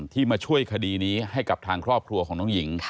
มาช่วยคดีนี้ให้กับทางครอบครัวของน้องหญิง